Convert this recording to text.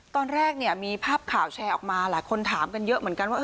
ตอนแรกเนี่ยมีภาพข่าวแชร์ออกมาหลายคนถามกันเยอะเหมือนกันว่า